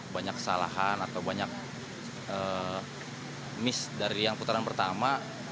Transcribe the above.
banyak kesalahan atau banyak miss dari yang putaran pertama